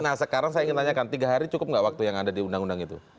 nah sekarang saya ingin tanyakan tiga hari cukup nggak waktu yang ada di undang undang itu